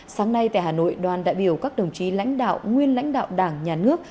sáng nay tại hà nội đoàn đại biểu các đồng chí lãnh đạo nguyên lãnh đạo đảng nhà nước